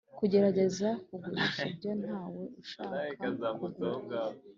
kugerageza kugurisha ibyo ntawe ushaka kugura.